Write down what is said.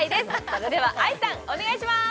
それでは愛さんお願いします